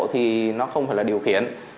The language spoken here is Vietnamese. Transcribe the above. thì nó không phải là điều khiển